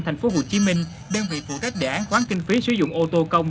thành phố hồ chí minh đơn vị phụ trách đề án khoáng kinh phí sử dụng ô tô công